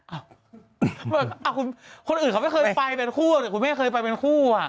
อ่าอ้าวคุณคนอื่นเลยแค้นไปเป็นคู่หรือพี่ม่าคุณไม่ค่อยไปเป็นคู่อ่ะ